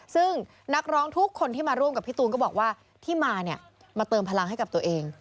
ซึ่งนักร้องทุกคนที่มาร่วมกับพี่ตูนก็บอกว่าที่มาเนี่ยมาเติมพลังให้กับตัวเอง